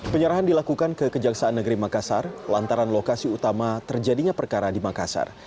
penyerahan dilakukan ke kejaksaan negeri makassar lantaran lokasi utama terjadinya perkara di makassar